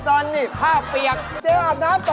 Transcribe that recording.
โอ้โฮโอ้โฮโอ้โฮ